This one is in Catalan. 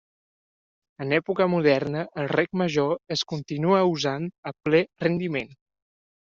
En època moderna el rec major es continua usant a ple rendiment.